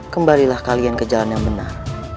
kembalilah kalian ke jalan yang benar